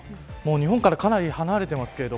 日本からかなり離れていますけど。